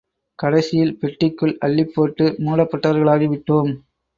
கடைசியில் பெட்டிக்குள் அள்ளிப் போட்டு மூடப்பட்டவர்களாகி விட்டோம்.